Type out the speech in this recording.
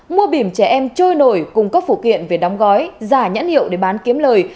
mua bìm trẻ em trôi nổi cung cấp phụ kiện về đóng gói giả nhãn hiệu để bán kiếm lời